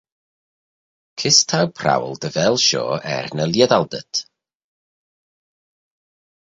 Kys t'ou prowal dy vel shoh er ny lhiettal dhyt?